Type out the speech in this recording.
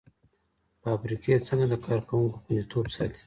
فابریکې څنګه د کارکوونکو خوندیتوب ساتي؟